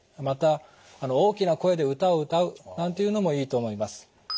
また大きな声で歌を歌うなんていうのもいいと思います。